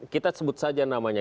kita sebut saja namanya